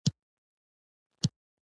روبوټونه د انسان وخت سپموي.